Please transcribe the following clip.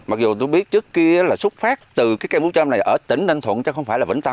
ông hùng cho biết cây trôm rất dễ trồng